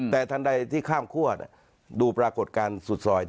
แต่ทันใดที่ข้ามคั่วดูปรากฏการณ์สุดซอย